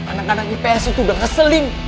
anak anak ips itu udah ngeselin